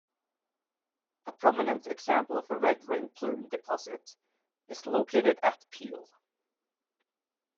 A prominent example of a red-ring plume deposit is located at Pele.